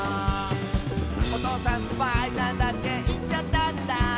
「『おとうさんスパイなんだ』っていっちゃったんだ」